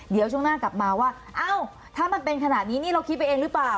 เดี๋ยวช่วงหน้ากลับมาว่าเอ้าถ้ามันเป็นขนาดนี้นี่เราคิดไปเองหรือเปล่า